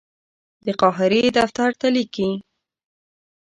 د قاهرې دفتر ته لیکي.